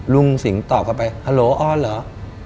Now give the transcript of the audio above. ลุงสิงตอบหัวไปฮัลโหลอนเหรอ